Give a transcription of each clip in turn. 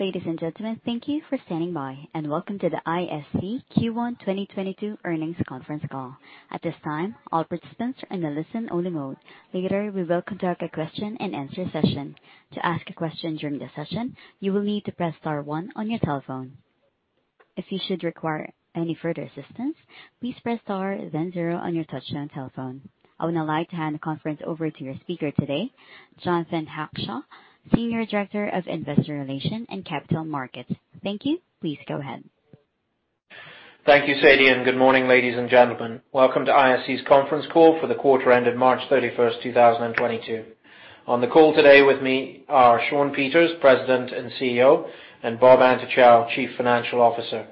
Ladies and gentlemen, thank you for standing by, and welcome to the ISC Q1 2022 Earnings Conference Call. At this time, all participants are in a listen-only mode. Later, we will conduct a question-and-answer session. To ask a question during the session, you will need to press star one on your telephone. If you should require any further assistance, please press star then zero on your touchtone telephone. I would now like to hand the conference over to your speaker today, Jonathan Hackshaw, Senior Director of Investor Relations and Capital Markets. Thank you. Please go ahead. Thank you, Sadie and good morning, ladies and gentlemen. Welcome to ISC's conference call for the quarter ended March 31, 2022. On the call today with me are Shawn Peters, President and CEO, and Bob Antochow, Chief Financial Officer.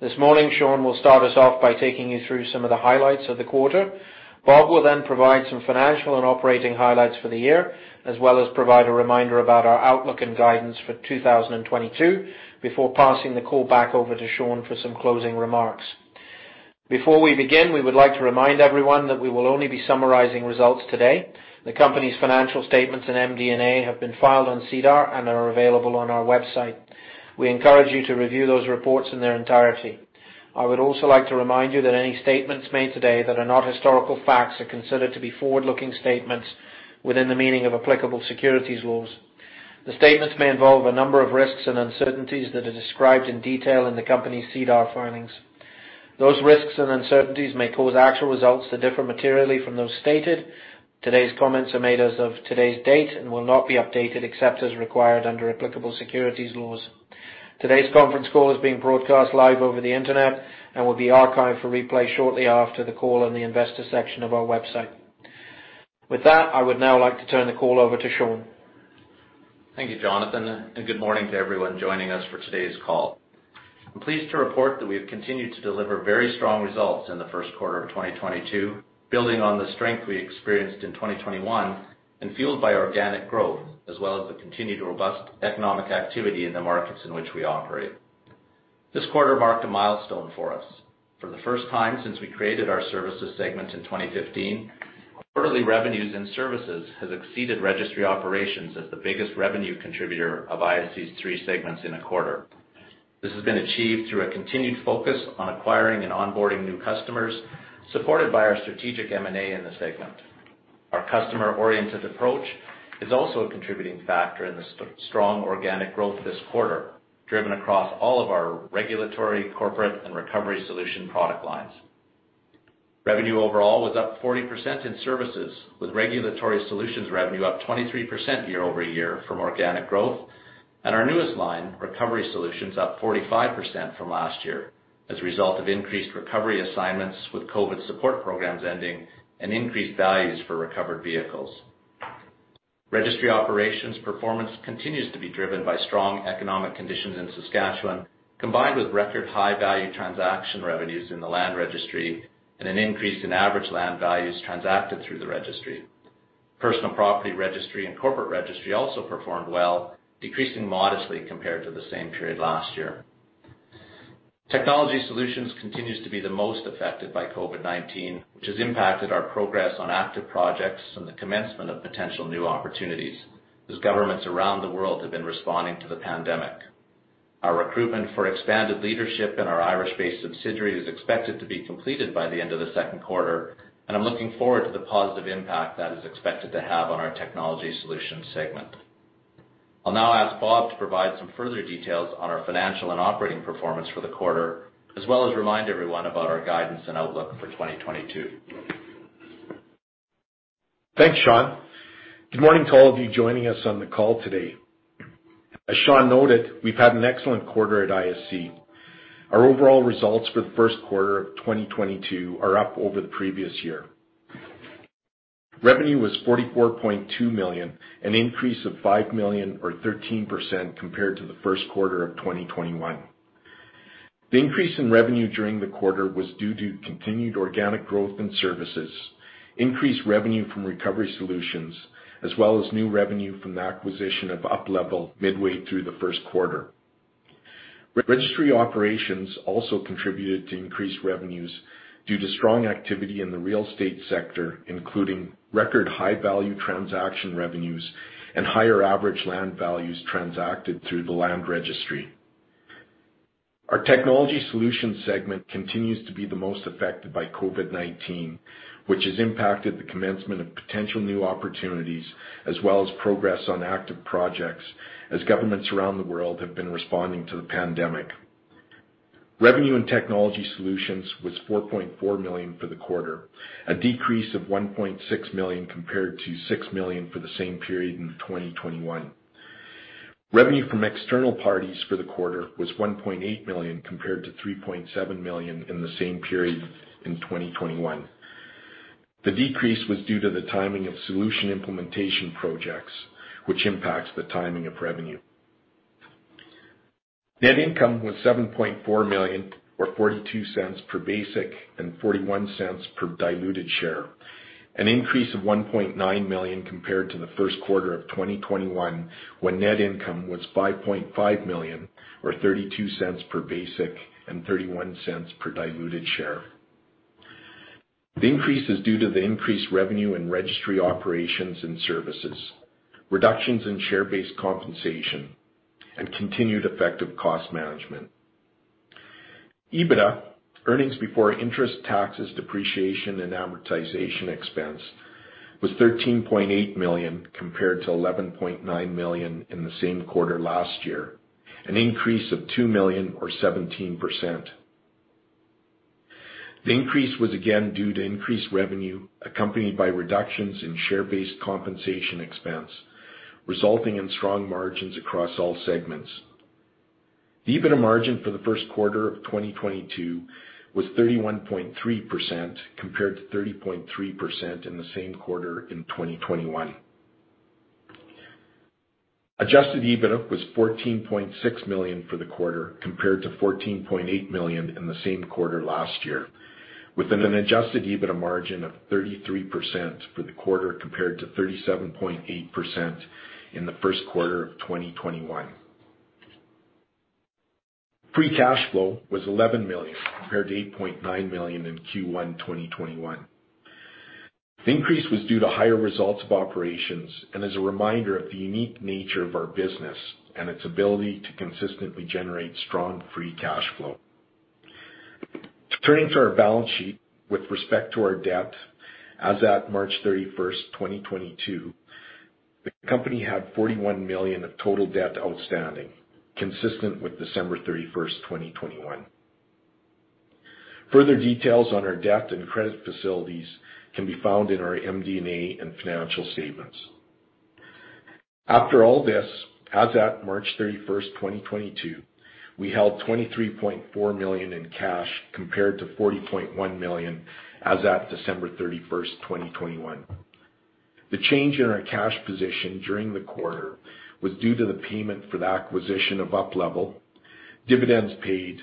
This morning, Shawn will start us off by taking you through some of the highlights of the quarter. Bob will then provide some financial and operating highlights for the year, as well as provide a reminder about our outlook and guidance for 2022, before passing the call back over to Shawn for some closing remarks. Before we begin, we would like to remind everyone that we will only be summarizing results today. The company's financial statements and MD&A have been filed on SEDAR and are available on our website. We encourage you to review those reports in their entirety. I would also like to remind you that any statements made today that are not historical facts are considered to be forward-looking statements within the meaning of applicable securities laws. The statements may involve a number of risks and uncertainties that are described in detail in the company's SEDAR filings. Those risks and uncertainties may cause actual results to differ materially from those stated. Today's comments are made as of today's date and will not be updated except as required under applicable securities laws. Today's conference call is being broadcast live over the Internet and will be archived for replay shortly after the call on the investor section of our website. With that, I would now like to turn the call over to Shawn. Thank you, Jonathan and good morning to everyone joining us for today's call. I'm pleased to report that we have continued to deliver very strong results in the first quarter of 2022, building on the strength we experienced in 2021 and fueled by organic growth, as well as the continued robust economic activity in the markets in which we operate. This quarter marked a milestone for us. For the first time since we created our Services segment in 2015, quarterly revenues in Services has exceeded Registry Operations as the biggest revenue contributor of ISC's three segments in a quarter. This has been achieved through a continued focus on acquiring and onboarding new customers, supported by our strategic M&A in the segment. Our customer-oriented approach is also a contributing factor in the strong organic growth this quarter, driven across all of our regulatory, corporate, and recovery solution product lines. Revenue overall was up 40% in Services, with Regulatory Solutions revenue up 23% year-over-year from organic growth. Our newest line, Recovery Solutions, up 45% from last year as a result of increased recovery assignments with COVID support programs ending and increased values for recovered vehicles. Registry Operations performance continues to be driven by strong economic conditions in Saskatchewan, combined with record high value transaction revenues in the Land Registry and an increase in average land values transacted through the Registry. Personal Property Registry and Corporate Registry also performed well, decreasing modestly compared to the same period last year. Technology Solutions continues to be the most affected by COVID-19, which has impacted our progress on active projects and the commencement of potential new opportunities as governments around the world have been responding to the pandemic. Our recruitment for expanded leadership in our Irish-based subsidiary is expected to be completed by the end of the second quarter and I'm looking forward to the positive impact that is expected to have on our Technology Solutions segment. I'll now ask Bob to provide some further details on our financial and operating performance for the quarter, as well as remind everyone about our guidance and outlook for 2022. Thanks, Shawn. Good morning to all of you joining us on the call today. As Shawn noted, we've had an excellent quarter at ISC. Our overall results for the first quarter of 2022 are up over the previous year. Revenue was 44.2 million, an increase of 5 million or 13% compared to the first quarter of 2021. The increase in revenue during the quarter was due to continued organic growth in Services, increased revenue from Recovery Solutions, as well as new revenue from the acquisition of UPLevel midway through the first quarter. Registry Operations also contributed to increased revenues due to strong activity in the real estate sector, including record high value transaction revenues and higher average land values transacted through the Land Registry. Our Technology Solutions segment continues to be the most affected by COVID-19, which has impacted the commencement of potential new opportunities as well as progress on active projects as governments around the world have been responding to the pandemic. Revenue in Technology Solutions was 4.4 million for the quarter, a decrease of 1.6 million compared to 6 million for the same period in 2021. Revenue from external parties for the quarter was 1.8 million compared to 3.7 million in the same period in 2021. The decrease was due to the timing of solution implementation projects, which impacts the timing of revenue. Net income was 7.4 million or 0.42 per basic and 0.41 per diluted share, an increase of 1.9 million compared to the first quarter of 2021, when net income was 5.5 million or 0.32 per basic and 0.31 per diluted share. The increase is due to the increased revenue in Registry Operations and Services, reductions in share-based compensation, and continued effective cost management. EBITDA, earnings before interest, taxes, depreciation, and amortization expense, was CAD 13.8 million compared to CAD 11.9 million in the same quarter last year, an increase of CAD 2 million or 17%. The increase was again due to increased revenue accompanied by reductions in share-based compensation expense, resulting in strong margins across all segments. The EBITDA margin for the first quarter of 2022 was 31.3% compared to 30.3% in the same quarter in 2021. Adjusted EBITDA was 14.6 million for the quarter compared to 14.8 million in the same quarter last year, with an adjusted EBITDA margin of 33% for the quarter compared to 37.8% in the first quarter of 2021. Free cash flow was 11 million compared to 8.9 million in Q1 2021. The increase was due to higher results of operations and is a reminder of the unique nature of our business and its ability to consistently generate strong free cash flow. Turning to our balance sheet with respect to our debt. As at March 31, 2022, the company had 41 million of total debt outstanding, consistent with December 31, 2021. Further details on our debt and credit facilities can be found in our MD&A and financial statements. After all this, as at March 31, 2022, we held 23.4 million in cash compared to 40.1 million as at December 31, 2021. The change in our cash position during the quarter was due to the payment for the acquisition of UPLevel, dividends paid,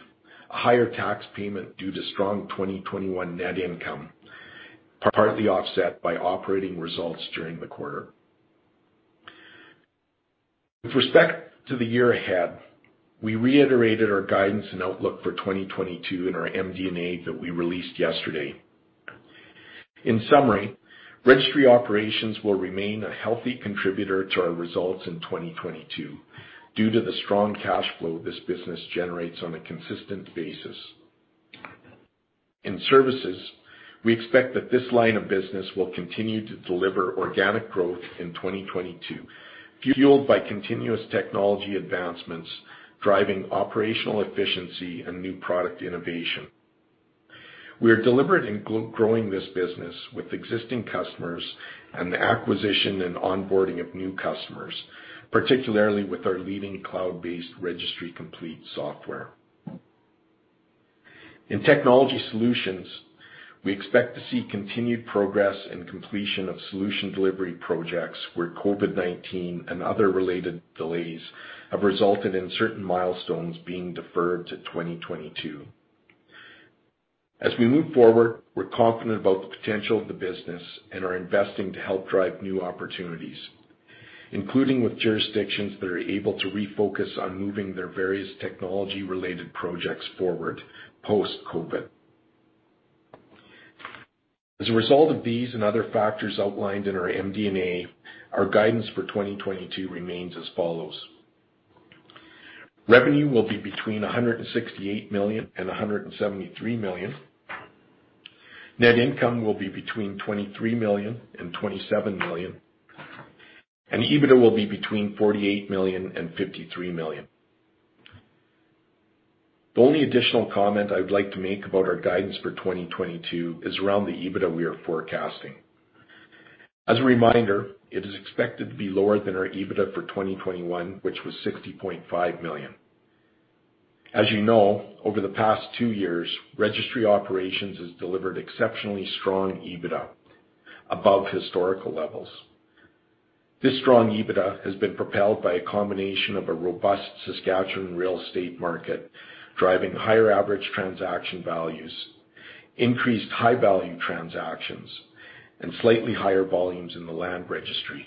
a higher tax payment due to strong 2021 net income, partly offset by operating results during the quarter. With respect to the year ahead, we reiterated our guidance and outlook for 2022 in our MD&A that we released yesterday. In summary, Registry Operations will remain a healthy contributor to our results in 2022 due to the strong cash flow this business generates on a consistent basis. In Services, we expect that this line of business will continue to deliver organic growth in 2022, fueled by continuous technology advancements, driving operational efficiency and new product innovation. We are deliberate in growing this business with existing customers and the acquisition and onboarding of new customers, particularly with our leading cloud-based Registry Complete software. In Technology Solutions, we expect to see continued progress and completion of solution delivery projects where COVID-19 and other related delays have resulted in certain milestones being deferred to 2022. As we move forward, we're confident about the potential of the business and are investing to help drive new opportunities, including with jurisdictions that are able to refocus on moving their various technology-related projects forward post-COVID. As a result of these and other factors outlined in our MD&A, our guidance for 2022 remains as follows. Revenue will be between 168 million and 173 million. Net income will be between 23 million and 27 million, and EBITDA will be between 48 million and 53 million. The only additional comment I would like to make about our guidance for 2022 is around the EBITDA we are forecasting. As a reminder, it is expected to be lower than our EBITDA for 2021, which was 60.5 million. As you know, over the past two years, Registry Operations has delivered exceptionally strong EBITDA above historical levels. This strong EBITDA has been propelled by a combination of a robust Saskatchewan real estate market, driving higher average transaction values, increased high-value transactions, and slightly higher volumes in the Land Registry.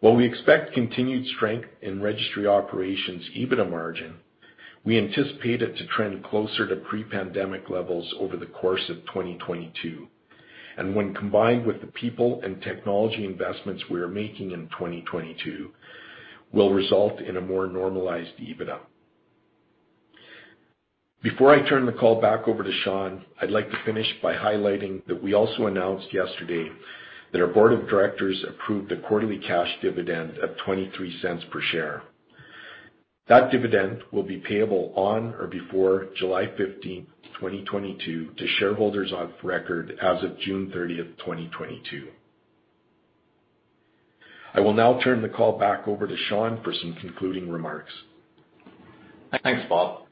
While we expect continued strength in Registry Operations EBITDA margin, we anticipate it to trend closer to pre-pandemic levels over the course of 2022, and when combined with the people and technology investments we are making in 2022, will result in a more normalized EBITDA. Before I turn the call back over to Shawn, I'd like to finish by highlighting that we also announced yesterday that our board of directors approved a quarterly cash dividend of 0.23 per share. That dividend will be payable on or before July 15, 2022 to shareholders of record as of June 30, 2022. I will now turn the call back over to Shawn for some concluding remarks. Thanks, Bob.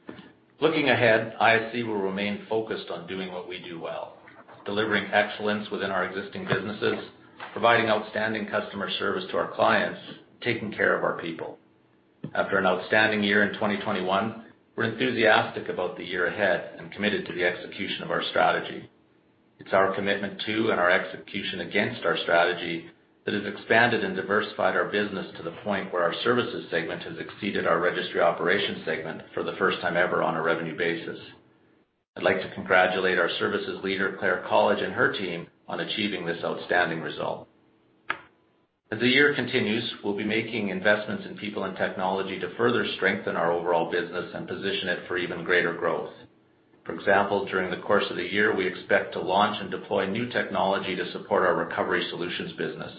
Looking ahead, ISC will remain focused on doing what we do well, delivering excellence within our existing businesses, providing outstanding customer service to our clients, taking care of our people. After an outstanding year in 2021, we're enthusiastic about the year ahead and committed to the execution of our strategy. It's our commitment to and our execution against our strategy that has expanded and diversified our business to the point where our Services segment has exceeded our Registry Operations segment for the first time ever on a revenue basis. I'd like to congratulate our Services leader, Clare Colledge, and her team on achieving this outstanding result. As the year continues, we'll be making investments in people and technology to further strengthen our overall business and position it for even greater growth. For example, during the course of the year, we expect to launch and deploy new technology to support our Recovery Solutions business,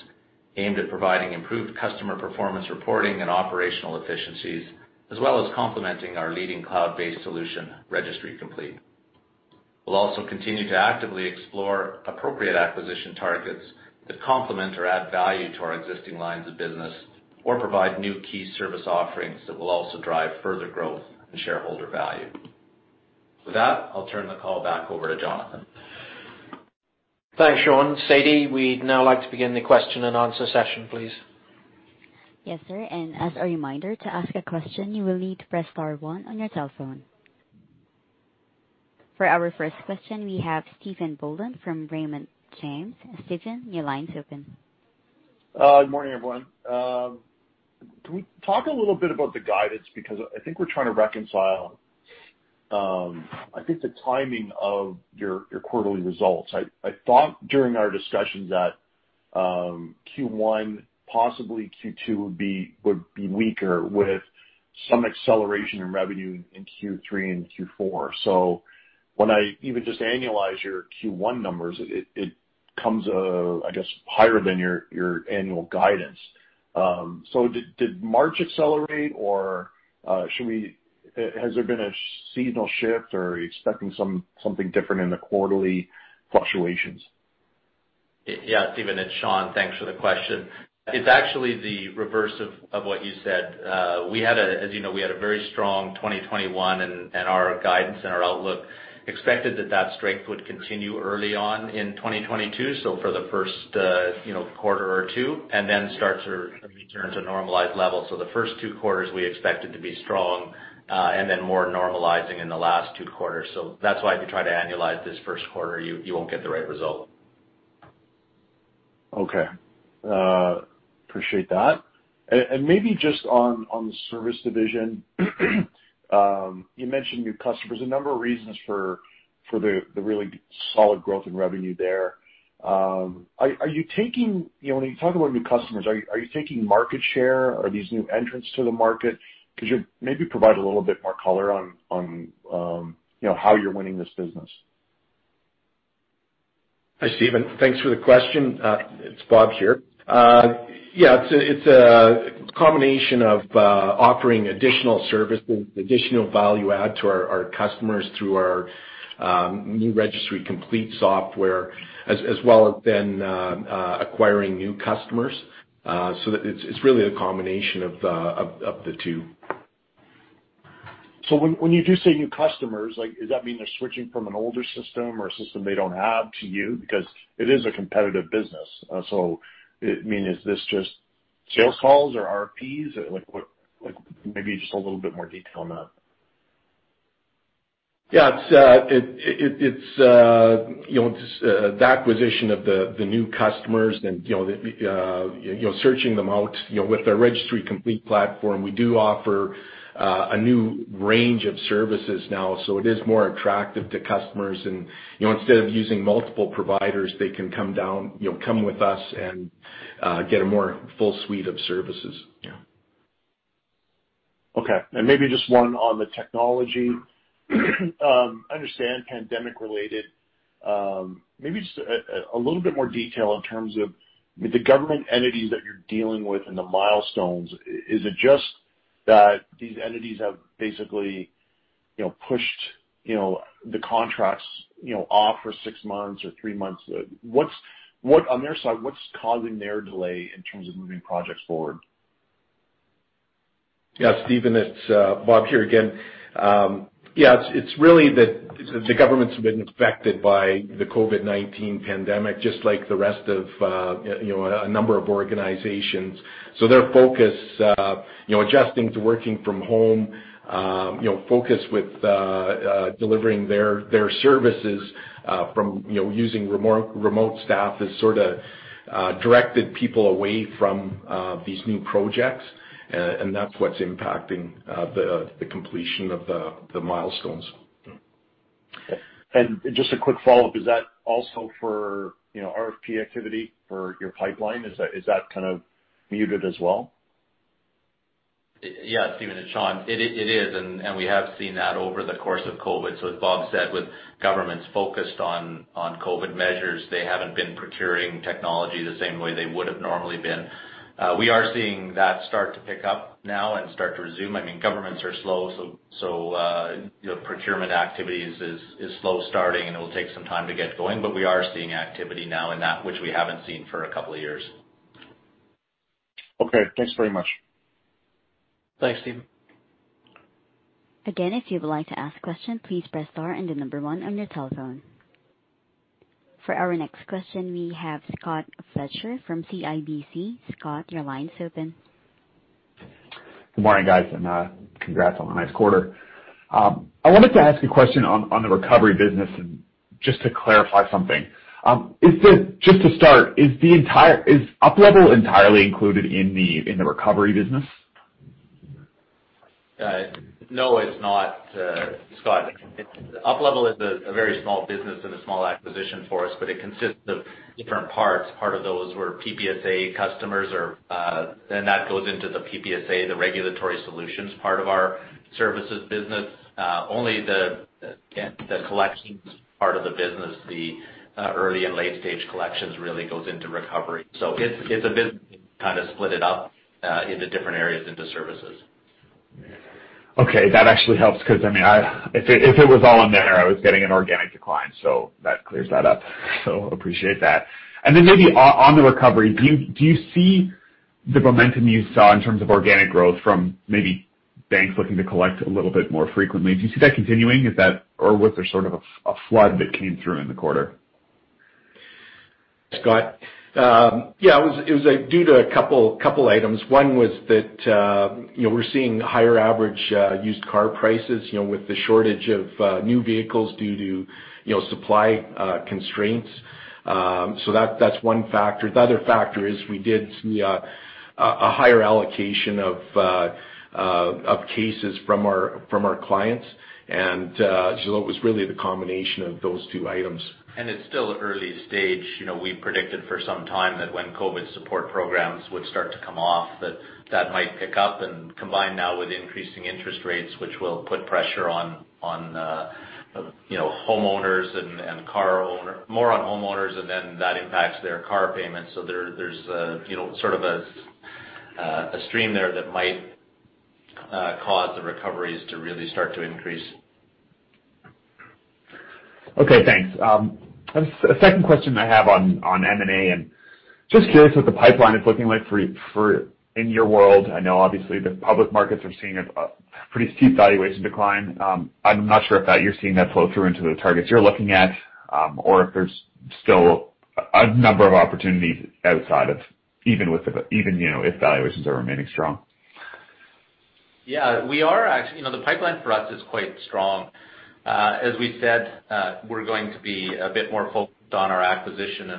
aimed at providing improved customer performance reporting and operational efficiencies, as well as complementing our leading cloud-based solution Registry Complete. We'll also continue to actively explore appropriate acquisition targets that complement or add value to our existing lines of business or provide new key service offerings that will also drive further growth and shareholder value. With that, I'll turn the call back over to Jonathan. Thanks, Shawn. Sadie, we'd now like to begin the question-and-answer session, please. Yes, sir. As a reminder, to ask a question, you will need to press star one on your telephone. For our first question, we have Stephen Boland from Raymond James. Stephen, your line's open. Good morning, everyone. Can we talk a little bit about the guidance? Because I think we're trying to reconcile I think the timing of your quarterly results. I thought during our discussions that Q1, possibly Q2 would be weaker with some acceleration in revenue in Q3 and Q4. When I even just annualize your Q1 numbers, it comes I guess higher than your annual guidance. Did March accelerate or should we? Has there been a seasonal shift? Or are you expecting something different in the quarterly fluctuations? Yeah. Stephen, it's Shawn. Thanks for the question. It's actually the reverse of what you said. As you know, we had a very strong 2021, and our guidance and our outlook expected that strength would continue early on in 2022, so for the first, you know, quarter or two, and then start to return to normalized levels. The first two quarters, we expected to be strong, and then more normalizing in the last two quarters. That's why if you try to annualize this first quarter, you won't get the right result. Okay. Appreciate that. Maybe just on the Services division. You mentioned new customers, a number of reasons for the really solid growth in revenue there. You know, when you talk about new customers, are you taking market share? Are these new entrants to the market? Could you maybe provide a little bit more color on how you're winning this business? Hi, Stephen. Thanks for the question. It's Bob here. Yeah, it's a combination of offering additional services, additional value add to our customers through our new Registry Complete software, as well as then acquiring new customers. It's really a combination of the two. When you do say new customers, like, does that mean they're switching from an older system or a system they don't have to you? Because it is a competitive business. I mean, is this just sales calls or RFPs? Like, maybe just a little bit more detail on that. Yeah, it's you know, just the acquisition of the new customers and, you know, the you know, searching them out. You know, with the Registry Complete platform, we do offer a new range of services now, so it is more attractive to customers. You know, instead of using multiple providers, they can come down, you know, come with us and get a more full suite of services. Yeah. Okay. Maybe just one on the technology. I understand pandemic related. Maybe just a little bit more detail in terms of the government entities that you're dealing with and the milestones. Is it just that these entities have basically, you know, pushed, you know, the contracts, you know, off for six months or three months? What's on their side, what's causing their delay in terms of moving projects forward? Yeah, Stephen, it's Bob here again. Yeah, it's really that the governments have been affected by the COVID-19 pandemic, just like the rest of you know a number of organizations. Their focus you know adjusting to working from home you know focus with delivering their services from you know using remote staff has sorta directed people away from these new projects. That's what's impacting the completion of the milestones. Just a quick follow-up. Is that also for, you know, RFP activity for your pipeline? Is that kind of muted as well? Yeah, Stephen, it's Shawn. It is, and we have seen that over the course of COVID. As Bob said, with governments focused on COVID measures, they haven't been procuring technology the same way they would have normally been. We are seeing that start to pick up now and start to resume. I mean, governments are slow, you know, procurement activities is slow starting, and it'll take some time to get going. We are seeing activity now in that which we haven't seen for a couple of years. Okay, thanks very much. Thanks, Stephen. Again, if you would like to ask a question, please press star and the number one on your telephone. For our next question, we have Scott Fletcher from CIBC. Scott, your line's open. Good morning, guys, and congrats on the nice quarter. I wanted to ask a question on the recovery business and just to clarify something. Just to start, is UPLevel entirely included in the recovery business? No, it's not, Scott. UPLevel is a very small business and a small acquisition for us, but it consists of different parts. Part of those were PBSA customers, then that goes into the PBSA, the Regulatory Solutions part of our Services business. Only the collections part of the business, the early and late-stage collections really goes into Recovery. It's a business, kind of split it up, into different areas into Services. Okay. That actually helps because, I mean, if it was all in there, I was getting an organic decline, so that clears that up. Appreciate that. Maybe on the recovery, do you see the momentum you saw in terms of organic growth from maybe banks looking to collect a little bit more frequently? Do you see that continuing? Is that or was there sort of a flood that came through in the quarter? Scott, yeah, it was due to a couple items. One was that you know, we're seeing higher average used car prices, you know, with the shortage of new vehicles due to you know, supply constraints that's one factor. The other factor is we did see a higher allocation of cases from our clients. It was really the combination of those two items. It's still early stage. You know, we predicted for some time that when COVID support programs would start to come off, that might pick up and combine now with increasing interest rates, which will put pressure on you know homeowners and car owners. More on homeowners, and then that impacts their car payments. There's a you know sort of a stream there that might cause the recoveries to really start to increase. Okay, thanks. A second question I have on M&A. Just curious, what the pipeline is looking like for in your world? I know obviously the public markets are seeing a pretty steep valuation decline. I'm not sure if you're seeing that flow through into the targets you're looking at, or if there's still a number of opportunities outside of even, you know, if valuations are remaining strong. Yeah, we are actually. You know, the pipeline for us is quite strong. As we said, we're going to be a bit more focused on our acquisition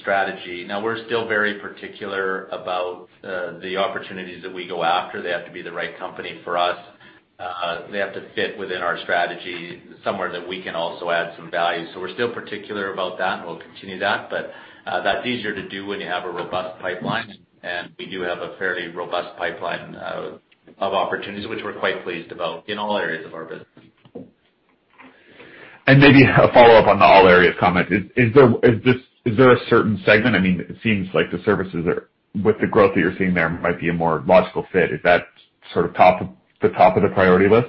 strategy. Now, we're still very particular about the opportunities that we go after. They have to be the right company for us. They have to fit within our strategy somewhere that we can also add some value. We're still particular about that, and we'll continue that. That's easier to do when you have a robust pipeline, and we do have a fairly robust pipeline of opportunities which we're quite pleased about in all areas of our business. Maybe a follow-up on the all areas comment. Is there a certain segment? I mean, it seems like the services are, with the growth that you're seeing there, might be a more logical fit. Is that sort of top of the priority list?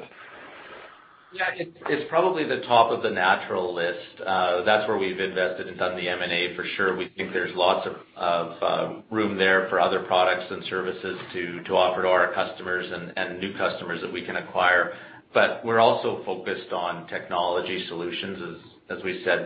Yeah, it's probably the top of the natural list. That's where we've invested and done the M&A for sure. We think there's lots of room there for other products and services to offer to our customers and new customers that we can acquire. We're also focused on technology solutions. As we said,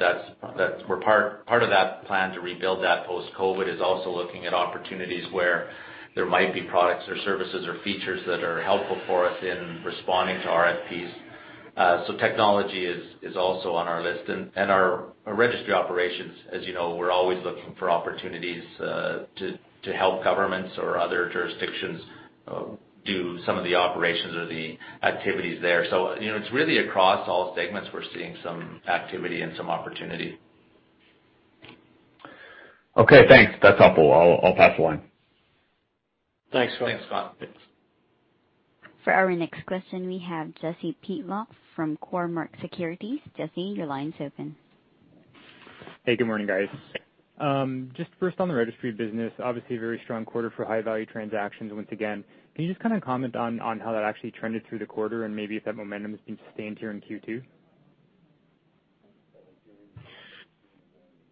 that's where part of that plan to rebuild that post-COVID is also looking at opportunities where there might be products or services or features that are helpful for us in responding to RFPs. Technology is also on our list. Our Registry Operations, as you know, we're always looking for opportunities to help governments or other jurisdictions do some of the operations or the activities there. You know, it's really across all segments we're seeing some activity and some opportunity. Okay, thanks. That's helpful. I'll pass the line. Thanks, Scott. Thanks, Scott. Thanks. For our next question, we have Jesse Pytlak from Cormark Securities. Jesse, your line's open. Hey, good morning, guys. Just first on the registry business, obviously a very strong quarter for high-value transactions once again. Can you just kind of a comment on how that actually trended through the quarter and maybe if that momentum has been sustained here in Q2?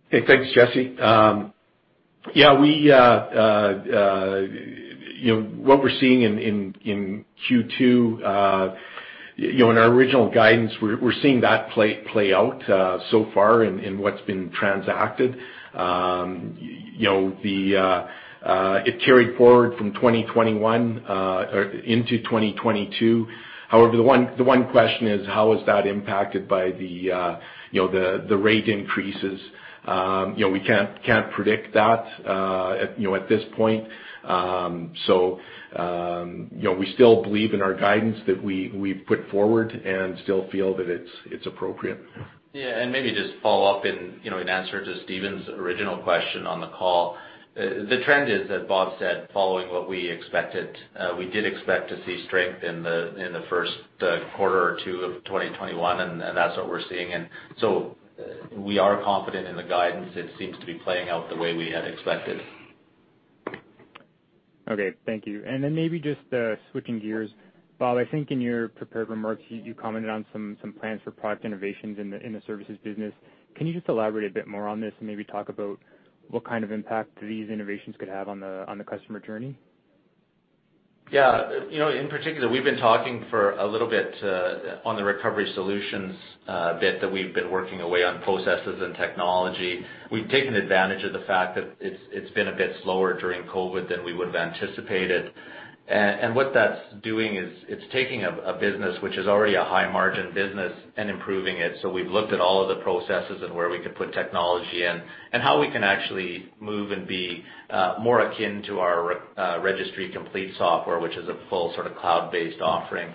Hey, thanks, Jesse. Yeah, you know, what we're seeing in Q2, you know, in our original guidance, we're seeing that play out so far in what's been transacted. You know, it carried forward from 2021 into 2022. However, the one question is how is that impacted by, you know, the rate increases. You know, we can't predict that, you know, at this point. You know, we still believe in our guidance that we put forward and still feel that it's appropriate. Yeah, maybe just follow up, you know, in answer to Stephen's original question on the call. The trend is, as Bob said, following what we expected. We did expect to see strength in the first quarter or two of 2021, and that's what we're seeing. We are confident in the guidance. It seems to be playing out the way we had expected. Okay, thank you. Maybe just switching gears. Bob, I think in your prepared remarks, you commented on some plans for product innovations in the services business. Can you just elaborate a bit more on this and maybe talk about what kind of impact these innovations could have on the customer journey? Yeah. You know, in particular, we've been talking for a little bit on the Recovery Solutions bit that we've been working away on processes and technology. We've taken advantage of the fact that it's been a bit slower during COVID than we would've anticipated. What that's doing is it's taking a business which is already a high margin business and improving it. We've looked at all of the processes and where we could put technology in, and how we can actually move and be more akin to our Registry Complete software, which is a full sort of cloud-based offering.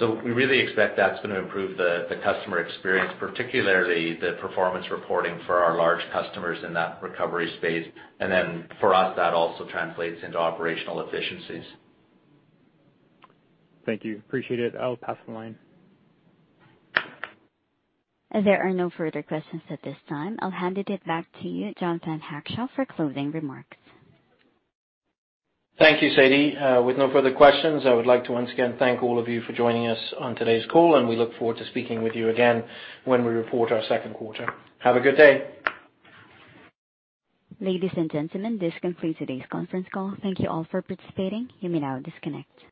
We really expect that's gonna improve the customer experience, particularly the performance reporting for our large customers in that recovery space. For us, that also translates into operational efficiencies. Thank you. Appreciate it. I'll pass the line. There are no further questions at this time. I'll hand it back to you, Jonathan Hackshaw, for closing remarks. Thank you, Sadie. With no further questions, I would like to once again thank all of you for joining us on today's call and we look forward to speaking with you again when we report our second quarter. Have a good day. Ladies and gentlemen, this concludes today's conference call. Thank you all for participating. You may now disconnect.